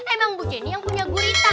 emang bu jenny yang punya gurita